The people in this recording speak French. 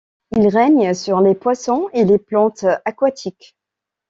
Il règne sur les poissons et les plantes aquatiques.